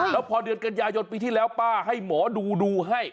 แล้วพอเดือนกันยายนปีที่แล้วป้าให้หมอดูดูให้